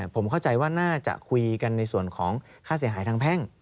ผมเข้าใจว่าน่าจะคุยกันในส่วนของค่าเสียหายทางแพ่ง